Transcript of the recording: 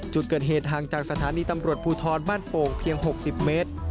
จุดเกิดเหตุห่างจากสถานีตำรวจภูทรบ้านโป่งเพียง๖๐เมตร